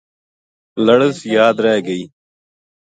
لڑز یاد رہ گی